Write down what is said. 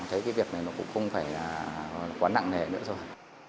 thấy cái việc này cũng không phải quá nặng nề nữa thôi